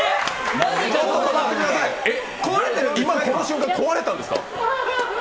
今この瞬間壊れたんですか！？